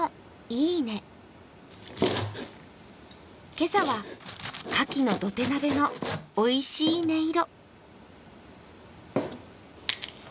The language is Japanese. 今朝は牡蠣の土手鍋のおいしい音色。